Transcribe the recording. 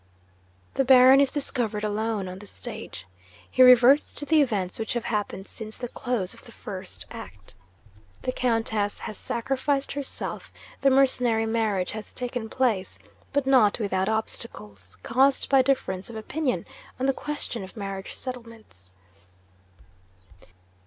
'The Baron is discovered, alone, on the stage. He reverts to the events which have happened since the close of the First Act. The Countess has sacrificed herself; the mercenary marriage has taken place but not without obstacles, caused by difference of opinion on the question of marriage settlements.